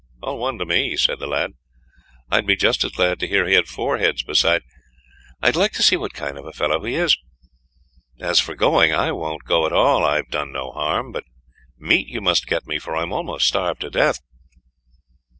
"All one to me," said the lad, "I'd be just as glad to hear he had four heads beside; I'd like to see what kind of fellow he is. As for going, I won't go at all. I've done no harm; but meat you must get me, for I'm almost starved to death."